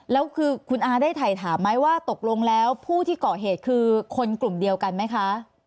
แล้วคือคุณอาได้ถ่ายถามไหมว่าตกลงแล้วผู้ที่เกาะเหตุคือคนกลุ่มเดียวกันไหมคะ